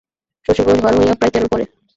শশীর বয়স বারো হইয়া প্রায় তেরোয় পড়ে।